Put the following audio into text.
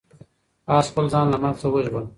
آس خپل ځان له مرګ څخه وژغوره.